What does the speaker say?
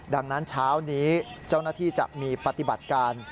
ดังนั้นเช้านี้เจ้าหน้าที่จะมีปฏิบัติการ